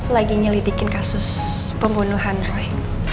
lagi nyelidikin kasus pembunuhan roy